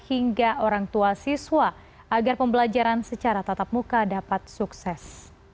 hingga orang tua siswa agar pembelajaran secara tatap muka dapat sukses